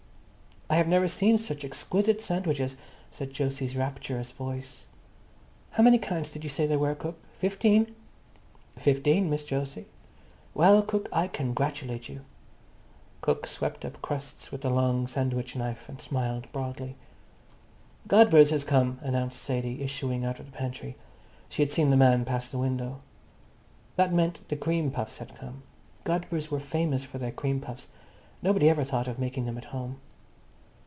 "I have never seen such exquisite sandwiches," said Jose's rapturous voice. "How many kinds did you say there were, cook? Fifteen?" "Fifteen, Miss Jose." "Well, cook, I congratulate you." Cook swept up crusts with the long sandwich knife, and smiled broadly. "Godber's has come," announced Sadie, issuing out of the pantry. She had seen the man pass the window. That meant the cream puffs had come. Godber's were famous for their cream puffs. Nobody ever thought of making them at home.